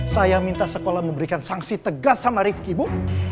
saya minta sekolah memberikan sanksi tegas sama rifki bu